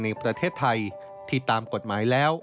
ในประเทศไทยที่ตามกฎหมายแล้ว